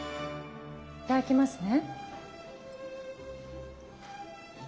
いただきますね。